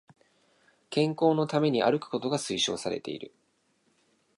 健康のために歩くことが推奨されている